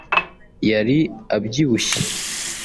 yari abyibushye